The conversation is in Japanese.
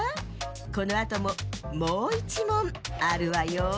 このあとももういちもんあるわよ。